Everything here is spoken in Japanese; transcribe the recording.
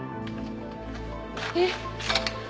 えっ？